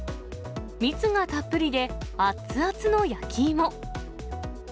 蜜がたっぷりで、熱々の焼き芋。